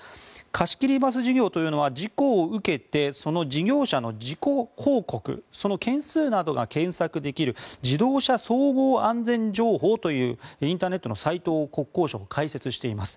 貸し切りバス事業というのは事故を受けてその事業者の事故報告その件数などが検索できる自動車総合安全情報というインターネットのサイトを国交省が開設しています。